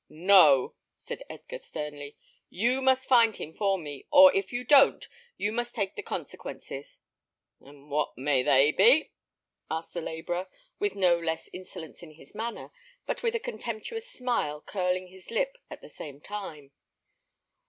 "No," said Edgar, sternly. "You must find him for me, or if you don't you must take the consequences." "And what may they be?" asked the labourer, with no less insolence in his manner, but with a contemptuous smile curling his lip at the same time.